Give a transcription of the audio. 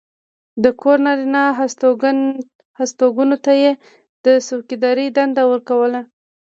د کور نارینه هستوګنو ته یې د څوکېدارۍ دنده ورکوله.